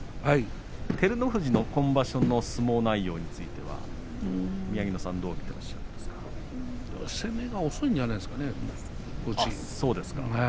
照ノ富士の今場所の相撲内容については宮城野さんは攻めが遅いんじゃないですかね。